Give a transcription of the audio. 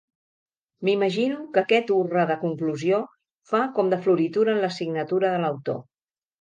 M'imagino que aquest hurra de conclusió fa com de floritura en la signatura de l'autor.